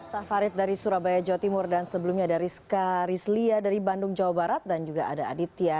tafarid dari surabaya jawa timur dan sebelumnya dari ska rizlia dari bandung jawa barat